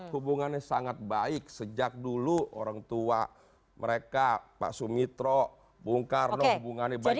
hubungannya sangat baik sejak dulu orang tua mereka pak sumitro bung karno hubungannya baik